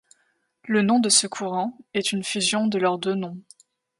Le nom de ce courant est une fusion de leurs deux noms.